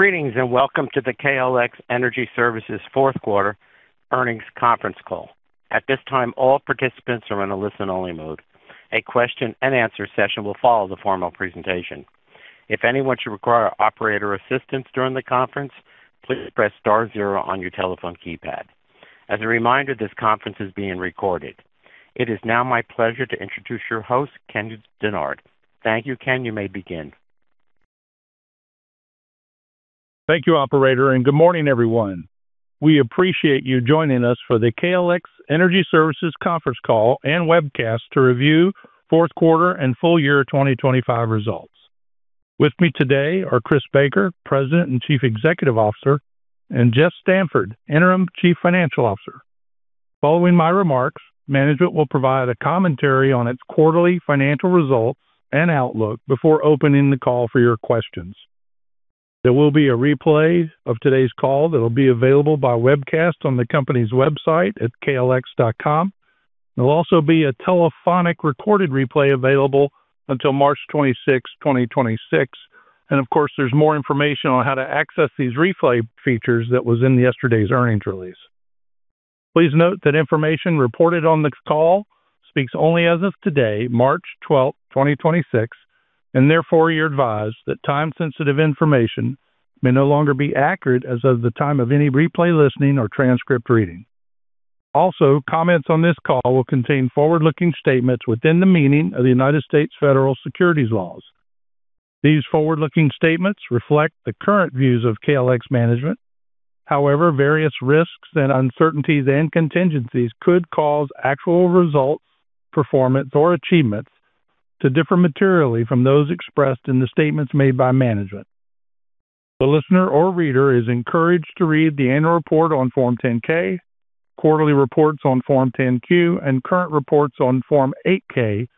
Greetings, and welcome to the KLX Energy Services Fourth Quarter Earnings Conference Call. At this time, all participants are in a listen-only mode. A question-and-answer session will follow the formal presentation. If anyone should require operator assistance during the conference, please press star zero on your telephone keypad. As a reminder, this conference is being recorded. It is now my pleasure to introduce your host, Ken Dennard. Thank you. Ken, you may begin. Thank you, operator, and good morning, everyone. We appreciate you joining us for the KLX Energy Services conference call and webcast to review fourth quarter and full year 2025 results. With me today are Chris Baker, President and Chief Executive Officer, and Geoff Stanford, Interim Chief Financial Officer. Following my remarks, management will provide a commentary on its quarterly financial results and outlook before opening the call for your questions. There will be a replay of today's call that'll be available by webcast on the company's website at klxenergy.com. There'll also be a telephonic recorded replay available until March 26th, 2026. Of course, there's more information on how to access these replay features that was in yesterday's earnings release. Please note that information reported on this call speaks only as of today, March 12th, 2026, and therefore you're advised that time-sensitive information may no longer be accurate as of the time of any replay, listening, or transcript reading. Also, comments on this call will contain forward-looking statements within the meaning of the United States federal securities laws. These forward-looking statements reflect the current views of KLX management. However, various risks and uncertainties and contingencies could cause actual results, performance, or achievements to differ materially from those expressed in the statements made by management. The listener or reader is encouraged to read the annual report on Form 10-K, quarterly reports on Form 10-Q, and current reports on Form 8-K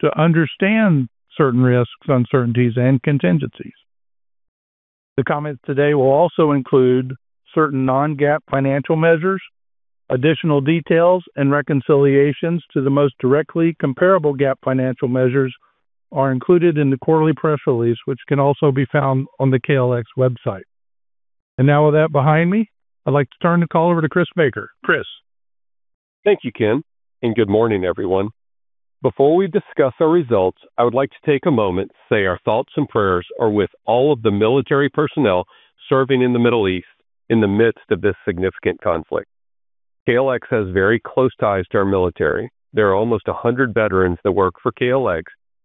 to understand certain risks, uncertainties, and contingencies. The comments today will also include certain non-GAAP financial measures. Additional details and reconciliations to the most directly comparable GAAP financial measures are included in the quarterly press release, which can also be found on the KLX website. Now with that behind me, I'd like to turn the call over to Chris Baker. Chris. Thank you, Ken, and good morning, everyone. Before we discuss our results, I would like to take a moment to say our thoughts and prayers are with all of the military personnel serving in the Middle East in the midst of this significant conflict. KLX has very close ties to our military. There are almost a hundred veterans that work for KLX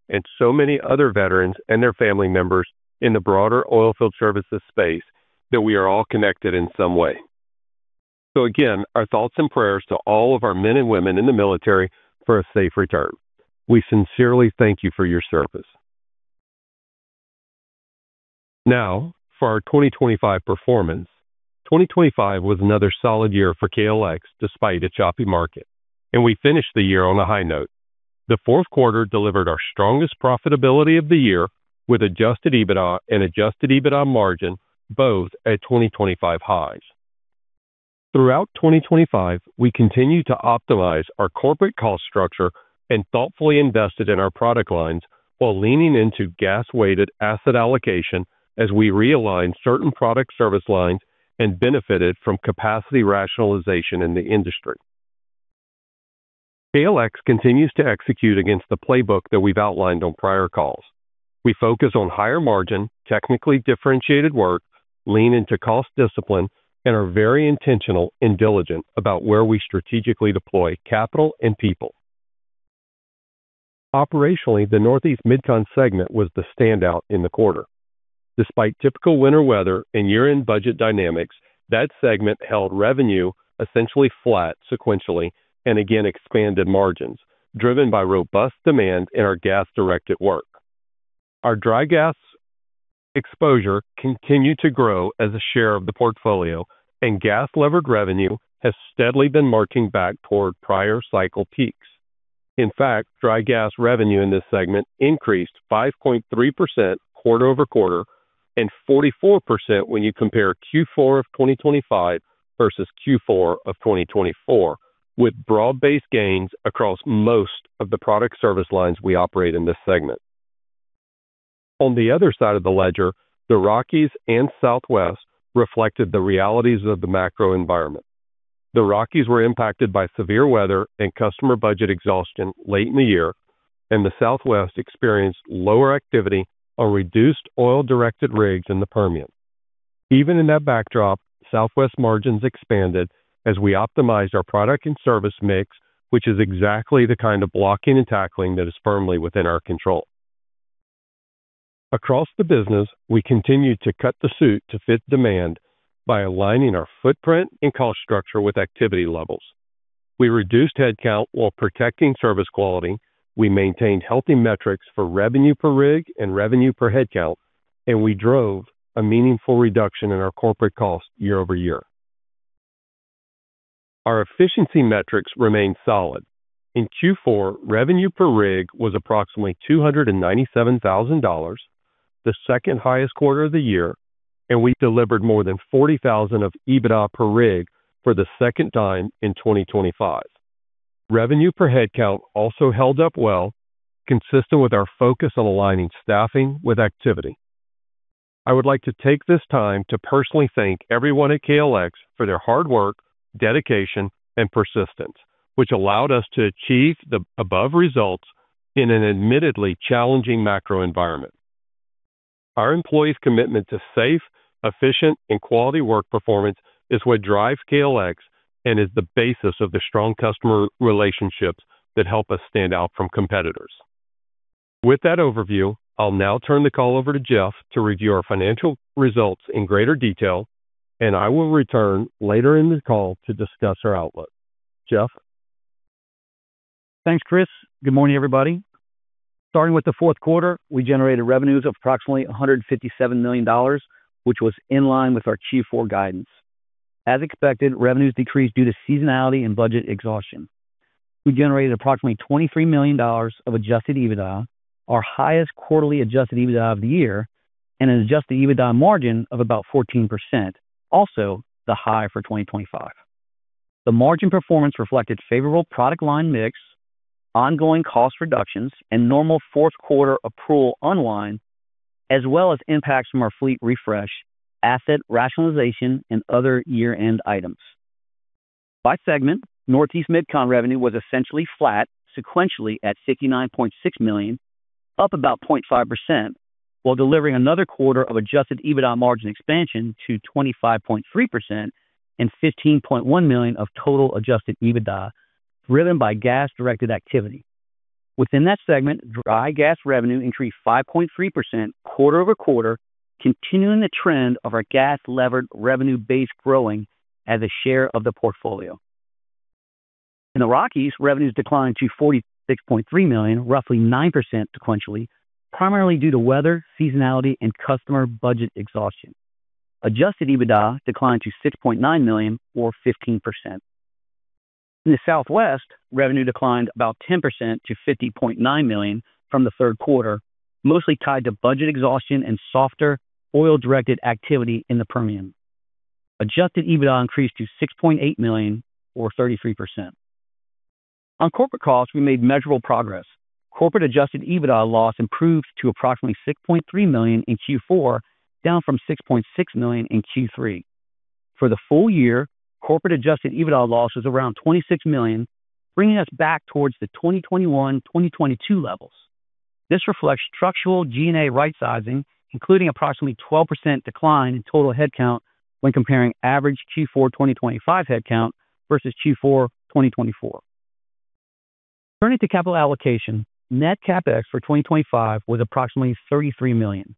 and so many other veterans and their family members in the broader oilfield services space that we are all connected in some way. Again, our thoughts and prayers to all of our men and women in the military for a safe return. We sincerely thank you for your service. Now for our 2025 performance. 2025 was another solid year for KLX despite a choppy market, and we finished the year on a high note. The fourth quarter delivered our strongest profitability of the year with adjusted EBITDA and adjusted EBITDA margin both at 2025 highs. Throughout 2025, we continued to optimize our corporate cost structure and thoughtfully invested in our product lines while leaning into gas-weighted asset allocation as we realigned certain product service lines and benefited from capacity rationalization in the industry. KLX continues to execute against the playbook that we've outlined on prior calls. We focus on higher margin, technically differentiated work, lean into cost discipline, and are very intentional and diligent about where we strategically deploy capital and people. Operationally, the Northeast Mid-Con segment was the standout in the quarter. Despite typical winter weather and year-end budget dynamics, that segment held revenue essentially flat sequentially and again expanded margins driven by robust demand in our gas-directed work. Our dry gas exposure continued to grow as a share of the portfolio, and gas-levered revenue has steadily been marching back toward prior cycle peaks. In fact, dry gas revenue in this segment increased 5.3% quarter-over-quarter and 44% when you compare Q4 of 2025 versus Q4 of 2024, with broad-based gains across most of the product service lines we operate in this segment. On the other side of the ledger, the Rockies and Southwest reflected the realities of the macro environment. The Rockies were impacted by severe weather and customer budget exhaustion late in the year, and the Southwest experienced lower activity on reduced oil-directed rigs in the Permian. Even in that backdrop, Southwest margins expanded as we optimized our product and service mix, which is exactly the kind of blocking and tackling that is firmly within our control. Across the business, we continued to cut the suit to fit demand by aligning our footprint and cost structure with activity levels. We reduced headcount while protecting service quality. We maintained healthy metrics for revenue per rig and revenue per headcount, and we drove a meaningful reduction in our corporate cost year-over-year. Our efficiency metrics remained solid. In Q4, revenue per rig was approximately $297,000, the second highest quarter of the year, and we delivered more than $40,000 of EBITDA per rig for the second time in 2025. Revenue per headcount also held up well, consistent with our focus on aligning staffing with activity. I would like to take this time to personally thank everyone at KLX for their hard work, dedication, and persistence, which allowed us to achieve the above results in an admittedly challenging macro environment. Our employees' commitment to safe, efficient and quality work performance is what drives KLX and is the basis of the strong customer relationships that help us stand out from competitors. With that overview, I'll now turn the call over to Geoff to review our financial results in greater detail, and I will return later in the call to discuss our outlook. Geoff? Thanks, Chris. Good morning, everybody. Starting with the fourth quarter, we generated revenues of approximately $157 million, which was in line with our Q4 guidance. As expected, revenues decreased due to seasonality and budget exhaustion. We generated approximately $23 million of adjusted EBITDA, our highest quarterly adjusted EBITDA of the year and an adjusted EBITDA margin of about 14%, also the high for 2025. The margin performance reflected favorable product line mix, ongoing cost reductions and normal fourth quarter approval unwind, as well as impacts from our fleet refresh, asset rationalization and other year-end items. By segment, Northeast MidCon revenue was essentially flat sequentially at $69.6 million, up about 0.5%, while delivering another quarter of adjusted EBITDA margin expansion to 25.3% and $15.1 million of total adjusted EBITDA, driven by gas-directed activity. Within that segment, dry gas revenue increased 5.3% quarter-over-quarter, continuing the trend of our gas-levered revenue base growing as a share of the portfolio. In the Rockies, revenues declined to $46.3 million, roughly 9% sequentially, primarily due to weather, seasonality and customer budget exhaustion. Adjusted EBITDA declined to $6.9 million or 15%. In the Southwest, revenue declined about 10% to $50.9 million from the third quarter, mostly tied to budget exhaustion and softer oil-directed activity in the Permian. Adjusted EBITDA increased to $6.8 million or 33%. On corporate costs, we made measurable progress. Corporate adjusted EBITDA loss improved to approximately $6.3 million in Q4, down from $6.6 million in Q3. For the full year, corporate adjusted EBITDA loss was around $26 million, bringing us back towards the 2021, 2022 levels. This reflects structural G&A rightsizing, including approximately 12% decline in total headcount when comparing average Q4 2025 headcount versus Q4 2024. Turning to capital allocation, net CapEx for 2025 was approximately $33 million.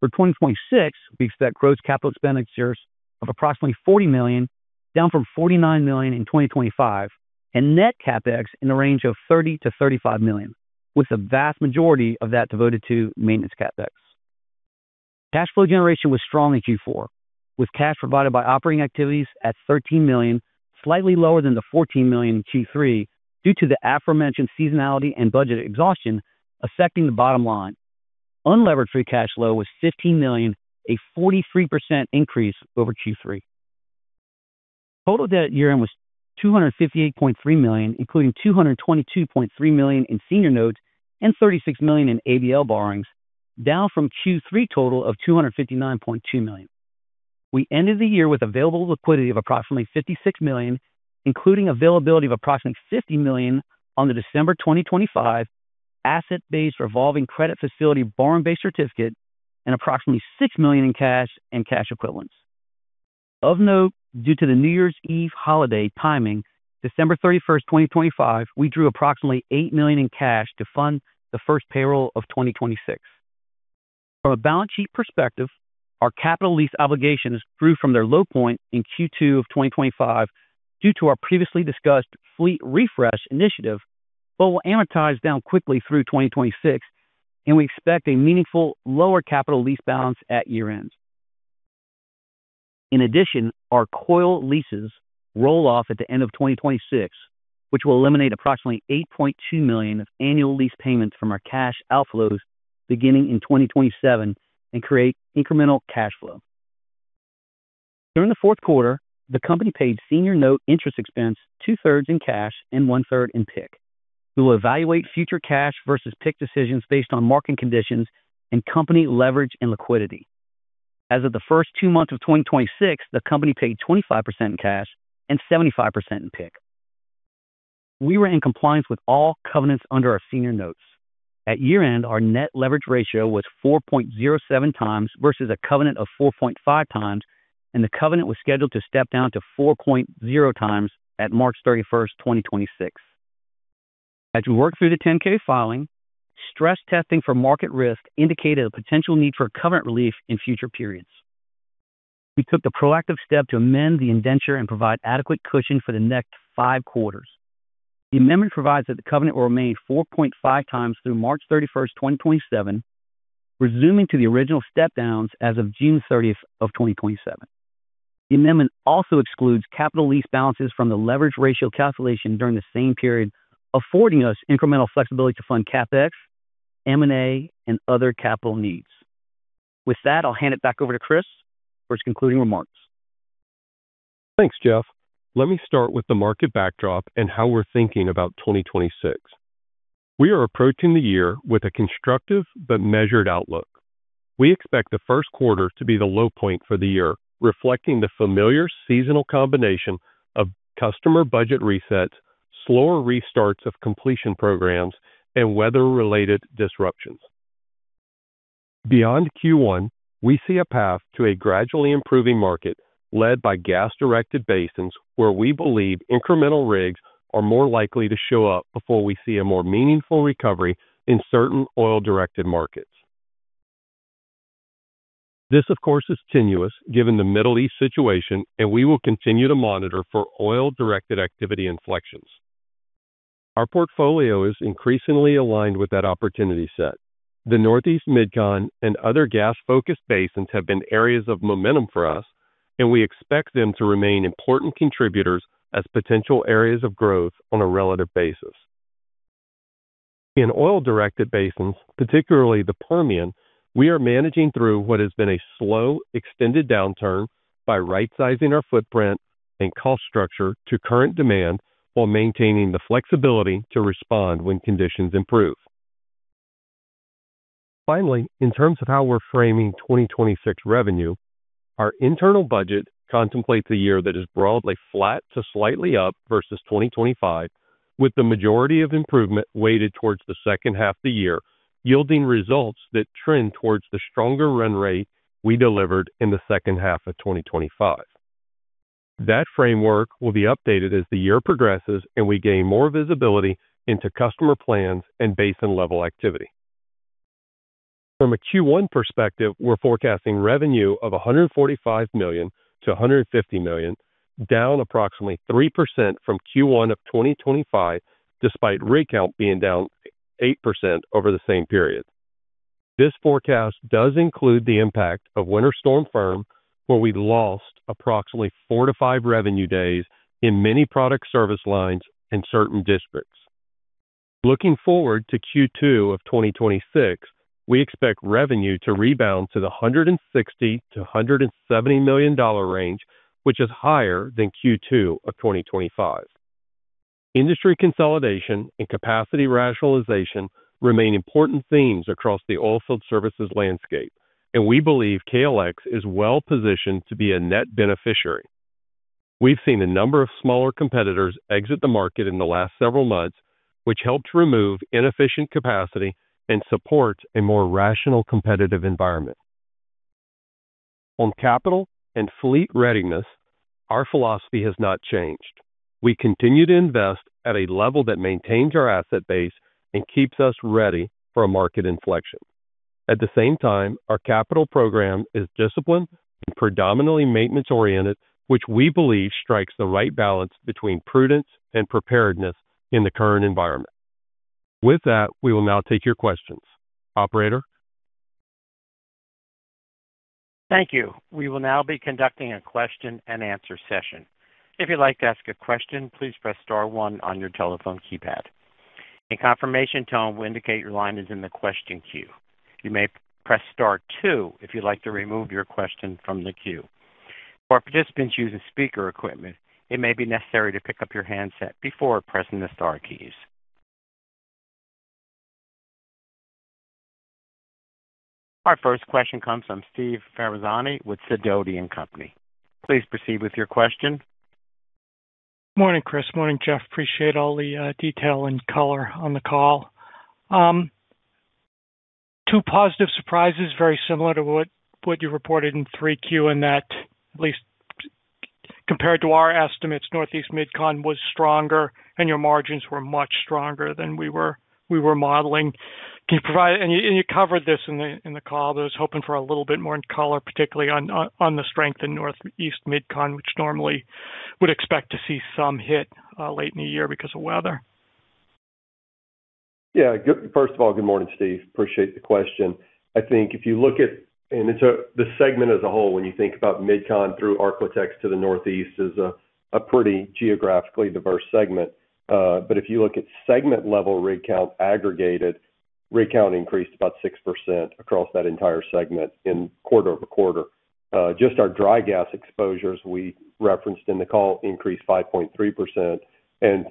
For 2026, we expect gross capital expenditures of approximately $40 million, down from $49 million in 2025, and net CapEx in the range of $30 million-$35 million, with the vast majority of that devoted to maintenance CapEx. Cash flow generation was strong in Q4, with cash provided by operating activities at $13 million, slightly lower than the $14 million in Q3 due to the aforementioned seasonality and budget exhaustion affecting the bottom line. Unlevered free cash flow was $15 million, a 43% increase over Q3. Total debt at year-end was $258.3 million, including $222.3 million in senior notes and $36 million in ABL borrowings, down from Q3 total of $259.2 million. We ended the year with available liquidity of approximately $56 million, including availability of approximately $50 million on the December 2025 asset-based revolving credit facility, borrowing base certificate, and approximately $6 million in cash and cash equivalents. Of note, due to the New Year's Eve holiday timing, December 31, 2025, we drew approximately $8 million in cash to fund the first payroll of 2026. From a balance sheet perspective, our capital lease obligations grew from their low point in Q2 of 2025 due to our previously discussed fleet refresh initiative, but will amortize down quickly through 2026, and we expect a meaningful lower capital lease balance at year-end. In addition, our coil leases roll off at the end of 2026, which will eliminate approximately $8.2 million of annual lease payments from our cash outflows beginning in 2027 and create incremental cash flow. During the fourth quarter, the company paid senior note interest expense 2/3 in cash and 1/3 in PIK. We will evaluate future cash versus PIK decisions based on market conditions and company leverage and liquidity. As of the first two months of 2026, the company paid 25% in cash and 75% in PIK. We were in compliance with all covenants under our senior notes. At year-end, our net leverage ratio was 4.07x versus a covenant of 4.5x, and the covenant was scheduled to step down to 4.0x at March 31, 2026. As we worked through the 10-K filing, stress testing for market risk indicated a potential need for covenant relief in future periods. We took the proactive step to amend the indenture and provide adequate cushion for the next five quarters. The amendment provides that the covenant will remain 4.5x through March 31, 2027, resuming to the original step downs as of June 30, 2027. The amendment also excludes capital lease balances from the leverage ratio calculation during the same period, affording us incremental flexibility to fund CapEx, M&A, and other capital needs. With that, I'll hand it back over to Chris for his concluding remarks. Thanks, Geoff. Let me start with the market backdrop and how we're thinking about 2026. We are approaching the year with a constructive but measured outlook. We expect the first quarter to be the low point for the year, reflecting the familiar seasonal combination of customer budget resets, slower restarts of completion programs, and weather-related disruptions. Beyond Q1, we see a path to a gradually improving market led by gas-directed basins, where we believe incremental rigs are more likely to show up before we see a more meaningful recovery in certain oil-directed markets. This, of course, is tenuous given the Middle East situation, and we will continue to monitor for oil-directed activity inflections. Our portfolio is increasingly aligned with that opportunity set. The Northeast MidCon and other gas-focused basins have been areas of momentum for us, and we expect them to remain important contributors as potential areas of growth on a relative basis. In oil-directed basins, particularly the Permian, we are managing through what has been a slow, extended downturn by rightsizing our footprint and cost structure to current demand while maintaining the flexibility to respond when conditions improve. Finally, in terms of how we're framing 2026 revenue, our internal budget contemplates a year that is broadly flat to slightly up versus 2025, with the majority of improvement weighted towards the second half of the year, yielding results that trend towards the stronger run rate we delivered in the second half of 2025. That framework will be updated as the year progresses and we gain more visibility into customer plans and basin-level activity. From a Q1 perspective, we're forecasting revenue of $145 million-$150 million, down approximately 3% from Q1 of 2025, despite rig count being down 8% over the same period. This forecast does include the impact of Winter Storm Fern, where we lost approximately four to five revenue days in many product service lines and certain districts. Looking forward to Q2 of 2026, we expect revenue to rebound to the $160 million-$170 million range, which is higher than Q2 of 2025. Industry consolidation and capacity rationalization remain important themes across the oilfield services landscape, and we believe KLX is well-positioned to be a net beneficiary. We've seen a number of smaller competitors exit the market in the last several months, which helped remove inefficient capacity and support a more rational competitive environment. On capital and fleet readiness, our philosophy has not changed. We continue to invest at a level that maintains our asset base and keeps us ready for a market inflection. At the same time, our capital program is disciplined and predominantly maintenance-oriented, which we believe strikes the right balance between prudence and preparedness in the current environment. With that, we will now take your questions. Operator? Thank you. We will now be conducting a question-and-answer session. If you'd like to ask a question, please press star one on your telephone keypad. A confirmation tone will indicate your line is in the question queue. You may press star two if you'd like to remove your question from the queue. For participants using speaker equipment, it may be necessary to pick up your handset before pressing the star keys. Our first question comes from Steve Ferazani with Sidoti & Company. Please proceed with your question. Morning, Chris. Morning, Geoff. Appreciate all the detail and color on the call. Two positive surprises, very similar to what you reported in 3Q in that, at least compared to our estimates, Northeast MidCon was stronger and your margins were much stronger than we were modeling. Can you provide? You covered this in the call. I was hoping for a little bit more in color, particularly on the strength in Northeast MidCon, which normally would expect to see some hit late in the year because of weather. Yeah. First of all, good morning, Steve. Appreciate the question. I think if you look at the segment as a whole, when you think about MidCon through Ark-La-Tex to the Northeast, is a pretty geographically diverse segment. But if you look at segment-level rig count aggregated, rig count increased about 6% across that entire segment in quarter-over-quarter. Just our dry gas exposures we referenced in the call increased 5.3%.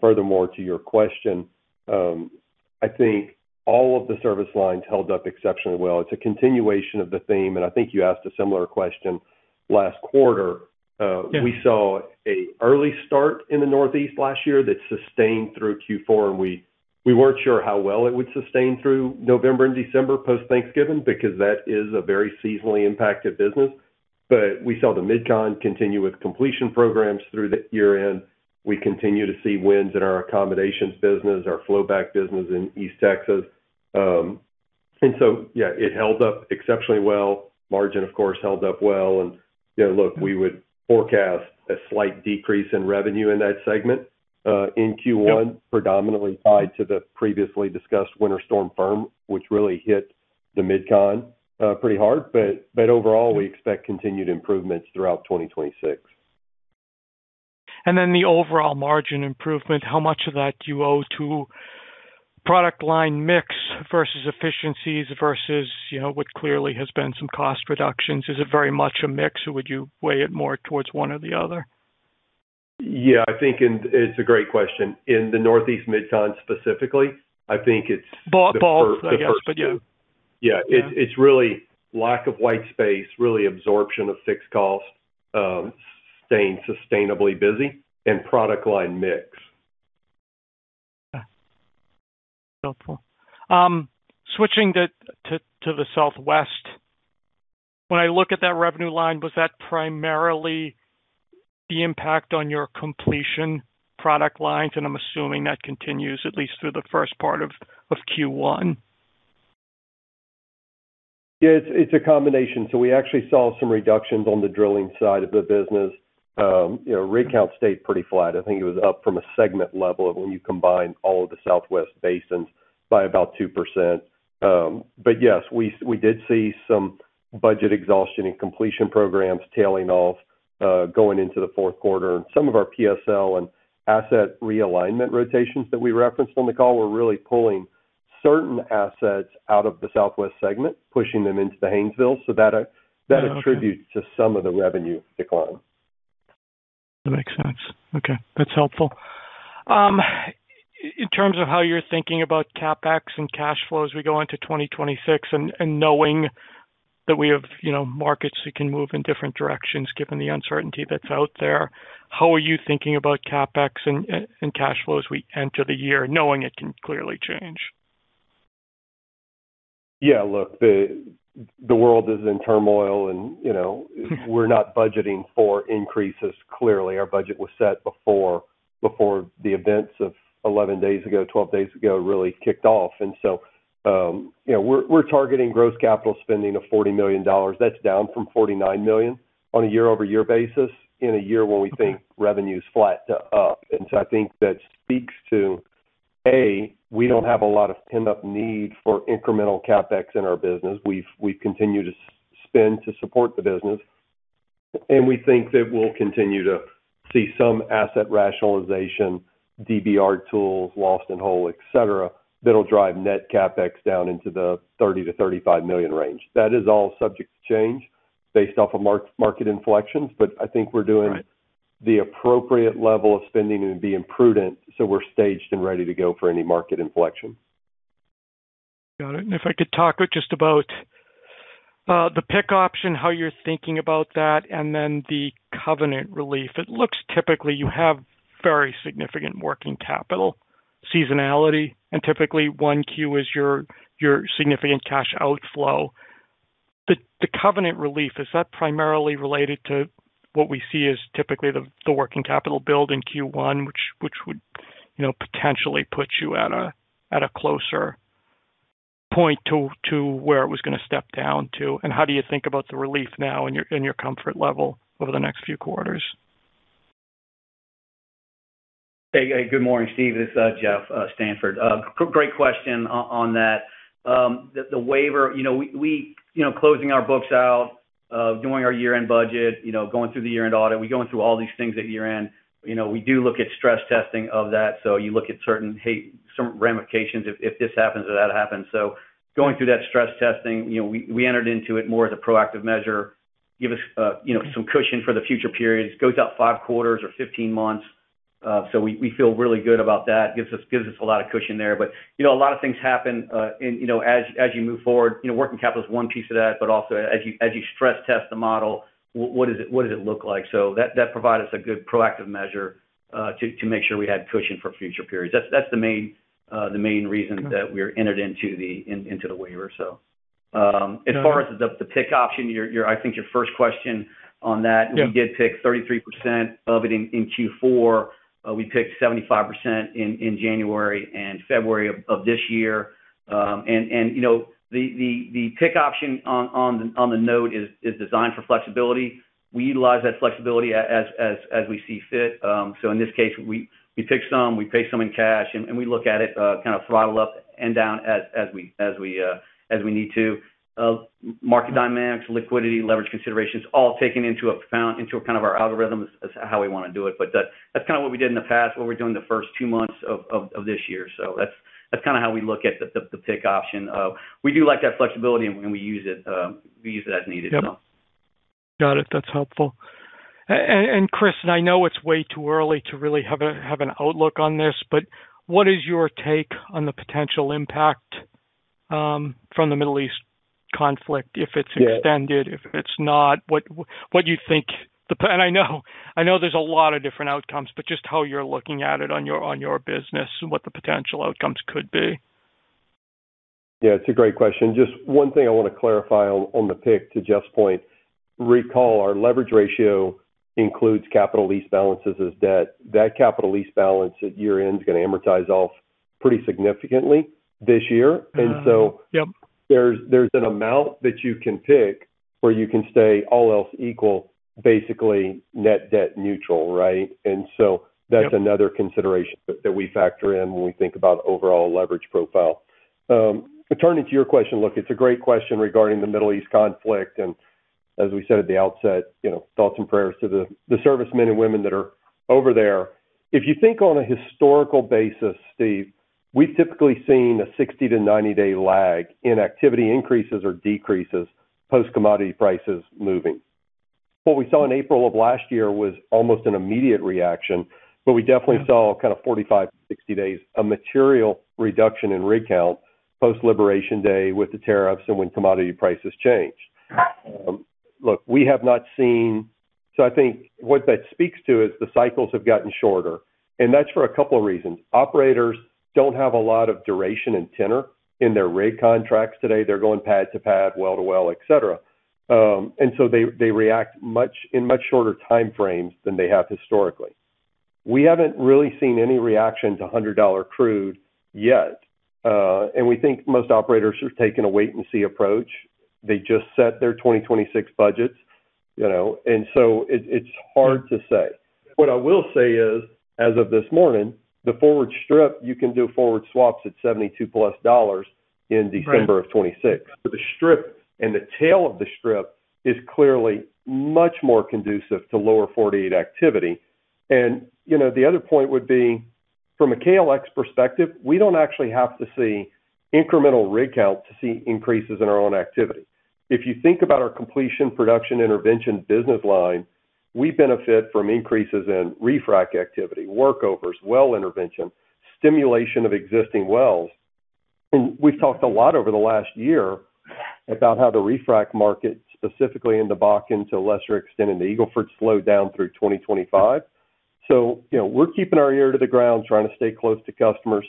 Furthermore, to your question, I think all of the service lines held up exceptionally well. It's a continuation of the theme, and I think you asked a similar question last quarter. Yeah. We saw an early start in the Northeast last year that sustained through Q4, and we weren't sure how well it would sustain through November and December post-Thanksgiving because that is a very seasonally impacted business. We saw the MidCon continue with completion programs through the year-end. We continue to see wins in our accommodations business, our Flowback business in East Texas. Yeah, it held up exceptionally well. Margin, of course, held up well. You know, look, we would forecast a slight decrease in revenue in that segment in Q1- Yeah Predominantly tied to the previously discussed Winter Storm Fern, which really hit the MidCon pretty hard. Overall, we expect continued improvements throughout 2026. The overall margin improvement, how much of that do you owe to product line mix versus efficiencies versus, you know, what clearly has been some cost reductions? Is it very much a mix or would you weigh it more towards one or the other? Yeah, I think it's a great question. In the Northeast Midcon specifically, I think it's. Both, I guess, but yeah. Yeah. It's really lack of white space, really absorption of fixed costs, staying sustainably busy and product line mix. Yeah. Helpful. Switching to the Southwest. When I look at that revenue line, was that primarily the impact on your completion product lines? I'm assuming that continues at least through the first part of Q1. Yeah, it's a combination. We actually saw some reductions on the drilling side of the business. You know, rig count stayed pretty flat. I think it was up from a segment level when you combine all of the Southwest basins by about 2%. Yes, we did see some budget exhaustion and completion programs tailing off, going into the fourth quarter. Some of our PSL and asset realignment rotations that we referenced on the call were really pulling certain assets out of the Southwest segment, pushing them into the Haynesville. That attributes to some of the revenue decline. That makes sense. Okay, that's helpful. In terms of how you're thinking about CapEx and cash flow as we go into 2026 and knowing that we have, you know, markets that can move in different directions given the uncertainty that's out there, how are you thinking about CapEx and cash flow as we enter the year knowing it can clearly change? Yeah. Look, the world is in turmoil and, you know, we're not budgeting for increases. Clearly, our budget was set before the events of 11 days ago, 12 days ago, really kicked off. You know, we're targeting gross capital spending of $40 million. That's down from $49 million on a year-over-year basis in a year where we think revenue is flat to up. I think that speaks to, A, we don't have a lot of pent-up need for incremental CapEx in our business. We continue to spend to support the business, and we think that we'll continue to see some asset rationalization, DBR tools, lost-in-hole, et cetera, that'll drive net CapEx down into the $30 million-$35 million range. That is all subject to change based off of market inflections, but I think we're doing the appropriate level of spending and being prudent, so we're staged and ready to go for any market inflection. Got it. If I could talk just about the PIK option, how you're thinking about that, and then the covenant relief. It looks like typically you have very significant working capital seasonality, and typically one Q is your significant cash outflow. The covenant relief, is that primarily related to what we see as typically the working capital build in Q1, which would, you know, potentially put you at a closer point to where it was gonna step down to? How do you think about the relief now in your comfort level over the next few quarters? Hey. Hey, good morning, Steve Ferazani. It's Geoff Stanford. Great question on that. The waiver. You know, we closing our books out, doing our year-end budget, you know, going through the year-end audit, we're going through all these things at year-end. You know, we do look at stress testing of that. You look at certain case, some ramifications if this happens or that happens. Going through that stress testing, you know, we entered into it more as a proactive measure, give us, you know, some cushion for the future periods. It goes out five quarters or 15 months. We feel really good about that. Gives us a lot of cushion there. You know, a lot of things happen, and you know, as you move forward, you know, working capital is one piece of that, but also as you stress test the model, what does it look like? That provided us a good proactive measure to make sure we had cushion for future periods. That's the main reason that we entered into the waiver so. As far as the PIK option, I think your first question on that. Yeah. We did PIK 33% of it in Q4. We PIKed 75% in January and February of this year. You know, the PIK option on the note is designed for flexibility. We utilize that flexibility as we see fit. In this case, we PIK some, we pay some in cash, and we look at it kinda throttle up and down as we need to. Market dynamics, liquidity, leverage considerations, all taken into account into kind of our algorithms as how we wanna do it. That that's kinda what we did in the past, what we're doing the first two months of this year. That's kinda how we look at the PIK option. We do like that flexibility, and when we use it, we use it as needed. Yep. Got it. That's helpful. And Chris, I know it's way too early to really have an outlook on this, but what is your take on the potential impact from the Middle East conflict? If it's extended, if it's not, what do you think. I know there's a lot of different outcomes, but just how you're looking at it on your business and what the potential outcomes could be. Yeah, it's a great question. Just one thing I wanna clarify on the PIK to Geoff's point. Recall, our leverage ratio includes capital lease balances as debt. That capital lease balance at year-end is gonna amortize off pretty significantly this year. Yep. There's an amount that you can PIK where you can stay all else equal, basically net debt neutral, right? That's another consideration that we factor in when we think about overall leverage profile. But turning to your question, look, it's a great question regarding the Middle East conflict. As we said at the outset, you know, thoughts and prayers to the servicemen and women that are over there. If you think on a historical basis, Steve Ferazani, we've typically seen a 60-90 day lag in activity increases or decreases post-commodity prices moving. What we saw in April of last year was almost an immediate reaction, but we definitely saw kind of 45-60 days a material reduction in rig count post-Labor Day with the tariffs and when commodity prices changed. We have not seen. I think what that speaks to is the cycles have gotten shorter, and that's for a couple of reasons. Operators don't have a lot of duration and tenure in their rig contracts today. They're going pad to pad, well to well, et cetera. They react in much shorter time frames than they have historically. We haven't really seen any reaction to $100 crude yet, and we think most operators are taking a wait-and-see approach. They just set their 2026 budgets, you know, and so it's hard to say. What I will say is, as of this morning, the forward strip, you can do forward swaps at $72+ in December 2026. The strip and the tail of the strip is clearly much more conducive to lower 48 activity. You know, the other point would be, from a KLX perspective, we don't actually have to see incremental rig count to see increases in our own activity. If you think about our completion production intervention business line, we benefit from increases in refrac activity, workovers, well intervention, stimulation of existing wells. We've talked a lot over the last year about how the refrac market, specifically in the Bakken, to a lesser extent in the Eagle Ford, slowed down through 2025. You know, we're keeping our ear to the ground, trying to stay close to customers.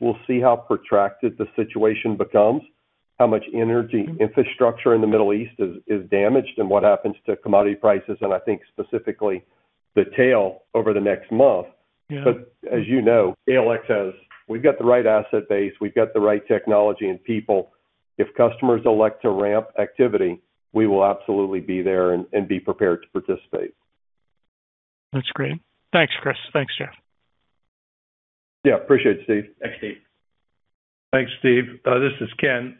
We'll see how protracted the situation becomes, how much energy infrastructure in the Middle East is damaged and what happens to commodity prices, and I think specifically the tail over the next month. Yeah. As you know, we've got the right asset base, we've got the right technology and people. If customers elect to ramp activity, we will absolutely be there and be prepared to participate. That's great. Thanks, Chris. Thanks, Geoff. Yeah. Appreciate it, Steve. Thanks, Steve. Thanks, Steve. This is Ken.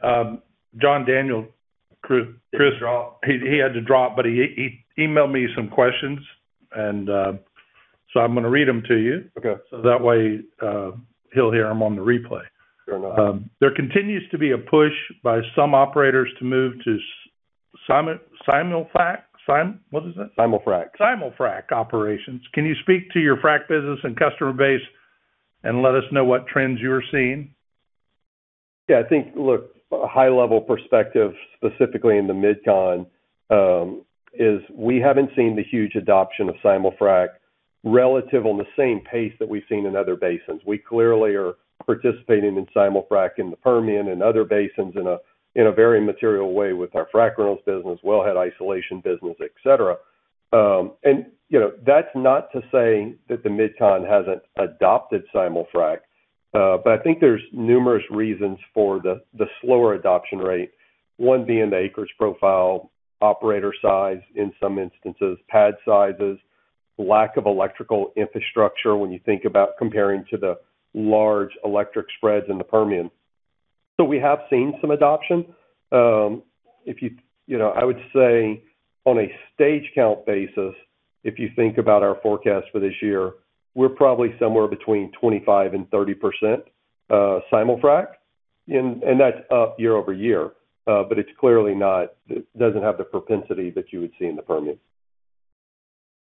John Daniel, Chris, he had to drop, but he emailed me some questions, and I'm gonna read them to you. Okay. That way, he'll hear them on the replay. Fair enough. There continues to be a push by some operators to move to simul-frac. What is it? Simul-frac. Simul-frac operations. Can you speak to your frac business and customer base and let us know what trends you are seeing? Yeah, I think, look, a high-level perspective, specifically in the MidCon, is we haven't seen the huge adoption of simul-frac relative on the same pace that we've seen in other basins. We clearly are participating in simul-frac in the Permian and other basins in a very material way with our Frac Rentals business, Wellhead Isolation business, et cetera. You know, that's not to say that the MidCon hasn't adopted simul-frac, but I think there's numerous reasons for the slower adoption rate. One being the acreage profile, operator size in some instances, pad sizes, lack of electrical infrastructure, when you think about comparing to the large electric spreads in the Permian. We have seen some adoption. You know, I would say on a stage count basis, if you think about our forecast for this year, we're probably somewhere between 25%-30% simul-frac, and that's up year-over-year. But it's clearly not. It doesn't have the propensity that you would see in the Permian.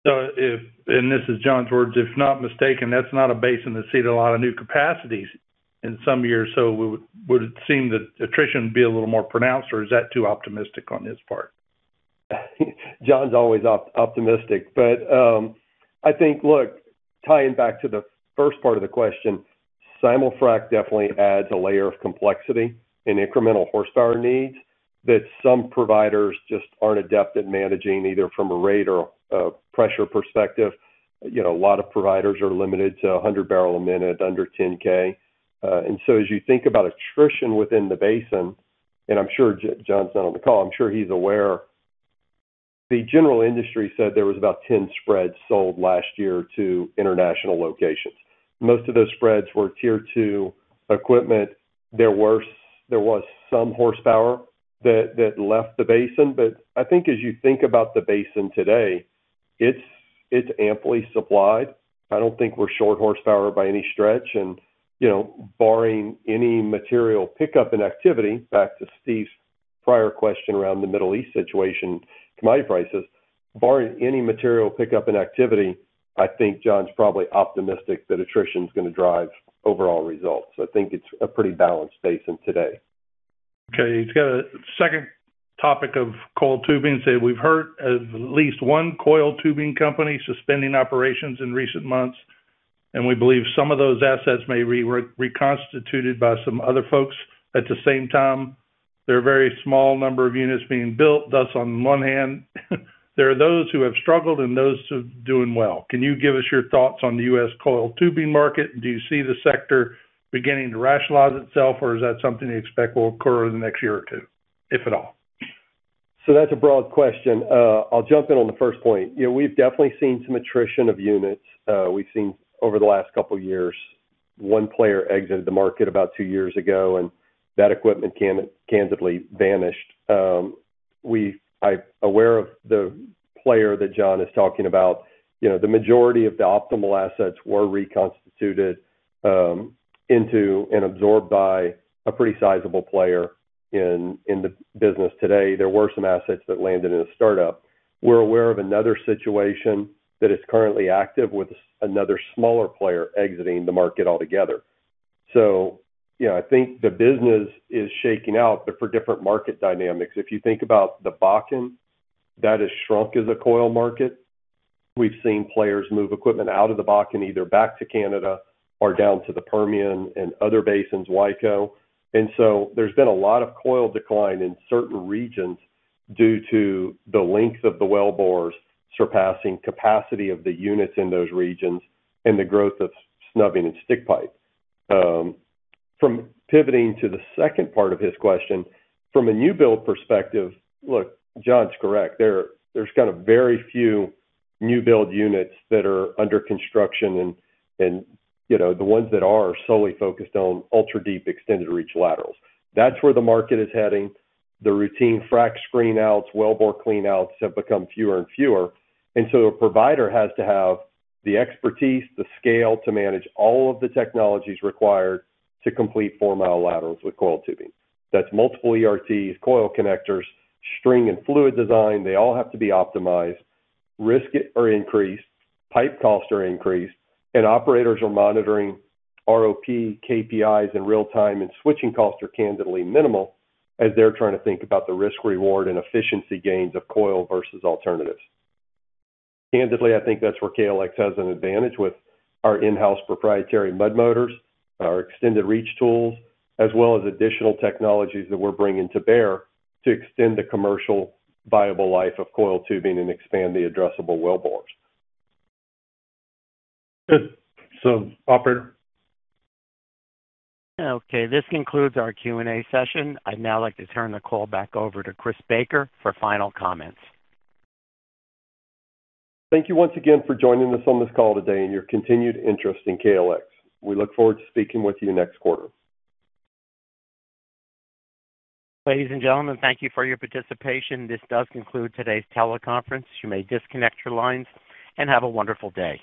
If, and this is John's words, if not mistaken, that's not a basin that's seen a lot of new capacities in some years. Would it seem that attrition would be a little more pronounced, or is that too optimistic on his part? John's always optimistic. I think, look, tying back to the first part of the question, simul-frac definitely adds a layer of complexity in incremental horsepower needs that some providers just aren't adept at managing either from a rate or a pressure perspective. You know, a lot of providers are limited to 100 barrels a minute under 10-K. And so as you think about attrition within the basin, and I'm sure John's not on the call, I'm sure he's aware, the general industry said there was about 10 spreads sold last year to international locations. Most of those spreads were tier two equipment. There was some horsepower that left the basin. I think as you think about the basin today, it's amply supplied. I don't think we're short horsepower by any stretch. You know, barring any material pickup in activity, back to Steve Ferazani's prior question around the Middle East situation, commodity prices, I think John Daniel's probably optimistic that attrition is gonna drive overall results. I think it's a pretty balanced basin today. Okay. He's got a second topic of coiled tubing. So we've heard of at least one coiled tubing company suspending operations in recent months, and we believe some of those assets may reconstituted by some other folks. At the same time, there are a very small number of units being built, thus on one hand, there are those who have struggled and those who are doing well. Can you give us your thoughts on the U.S. coiled tubing market? Do you see the sector beginning to rationalize itself, or is that something you expect will occur over the next year or two, if at all? That's a broad question. I'll jump in on the first point. You know, we've definitely seen some attrition of units. We've seen over the last couple years, one player exited the market about two years ago, and that equipment candidly vanished. I'm aware of the player that John is talking about. You know, the majority of the optimal assets were reconstituted into and absorbed by a pretty sizable player in the business today. There were some assets that landed in a startup. We're aware of another situation that is currently active with another smaller player exiting the market altogether. You know, I think the business is shaking out, but for different market dynamics. If you think about the Bakken, that has shrunk as a coil market. We've seen players move equipment out of the Bakken, either back to Canada or down to the Permian and other basins, Waco. There's been a lot of coil decline in certain regions due to the length of the wellbores surpassing capacity of the units in those regions and the growth of snubbing and stick pipes. From pivoting to the second part of his question, from a new build perspective, look, John's correct. There's kind of very few new build units that are under construction and, you know, the ones that are solely focused on ultra-deep extended reach laterals. That's where the market is heading. The routine frac screenouts, wellbore cleanouts have become fewer and fewer. A provider has to have the expertise, the scale to manage all of the technologies required to complete 4-mi laterals with coil tubing. That's multiple ERTs, coil connectors, string and fluid design. They all have to be optimized. Risks are increased, pipe costs are increased, and operators are monitoring ROP, KPIs in real-time, and switching costs are candidly minimal as they're trying to think about the risk-reward and efficiency gains of coiled versus alternatives. Candidly, I think that's where KLX has an advantage with our in-house proprietary mud motors, our extended reach tools, as well as additional technologies that we're bringing to bear to extend the commercially viable life of coiled tubing and expand the addressable wellbores. Good. Operator. Okay, this concludes our Q&A session. I'd now like to turn the call back over to Chris Baker for final comments. Thank you once again for joining us on this call today and your continued interest in KLX. We look forward to speaking with you next quarter. Ladies and gentlemen, thank you for your participation. This does conclude today's teleconference. You may disconnect your lines, and have a wonderful day.